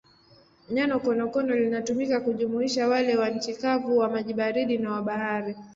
Neno konokono linatumika kujumuisha wale wa nchi kavu, wa maji baridi na wa bahari.